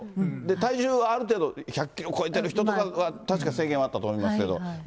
体重はある程度、１００キロ超えてる人とかは確か制限があったと上限はなし？